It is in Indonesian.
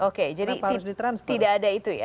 oke jadi tidak ada itu ya